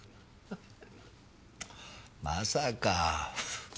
まさか。